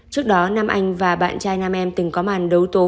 trước đó nam anh và bạn trai nam em từng có màn đấu tố